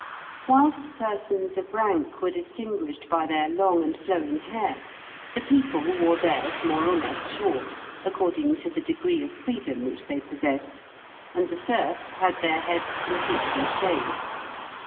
Whilst persons of rank were distinguished by their long and flowing hair, the people wore theirs more or less short, according to the degree of freedom which they possessed, and the serfs had their heads completely shaved.